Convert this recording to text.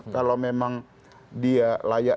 kalau memang dia layak